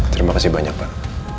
terima kasih banyak pak